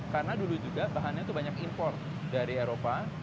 karena dulu juga bahannya itu banyak import dari eropa